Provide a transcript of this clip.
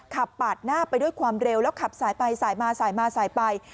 ขับปาดหน้าไปด้วยความเร็วแล้วขับสายไปสายมาสายมาสายไป